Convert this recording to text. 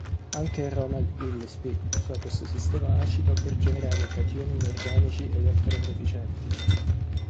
Anche Ronald Gillespie usò questo sistema acido per generare cationi inorganici elettron-deficienti.